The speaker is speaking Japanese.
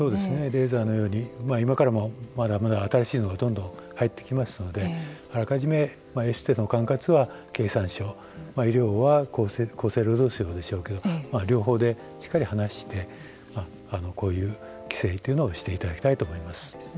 レーザーのように今からまだまだ新しいのがどんどん入ってきますのであらかじめエステの管轄は経産省医療は厚生労働省でしょうけど両方でしっかり話してこういう規制というのをしていただきたいと思います。